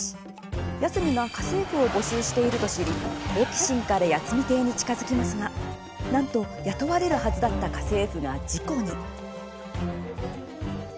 八海が家政婦を募集していると知り好奇心から八海邸に近づきますがなんと雇われるはずだった家政婦が事故に。